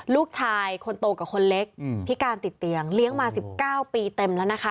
ลูกชายคนโตกับคนเล็กพิการติดเตียงเลี้ยงมา๑๙ปีเต็มแล้วนะคะ